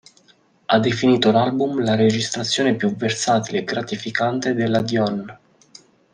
Ha definito l'album la registrazione più "versatile e gratificante" della Dion.